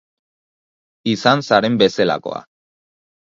Izan zaren bezelakoa